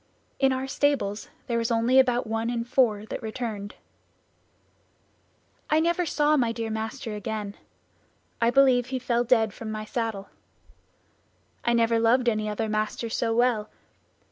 In our stables there was only about one in four that returned. "I never saw my dear master again. I believe he fell dead from the saddle. I never loved any other master so well.